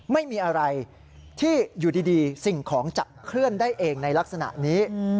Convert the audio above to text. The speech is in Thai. ไม่มีอะไรที่อยู่ดีสิ่งของจะเคลื่อนได้เองในลักษณะนี้